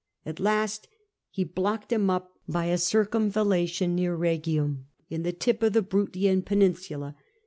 At last he blocked him up by a circiimvallation near Ehegium in the tip of the Bruttian peninsula.